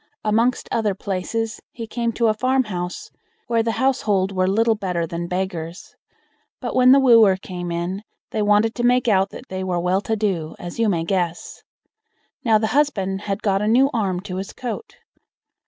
Amongst other places, he came to a farm house, where the household were little better than beggars; but when the wooer came in, they wanted to make out that they were well to do, as you may guess. Now the husband had got a new arm to his coat.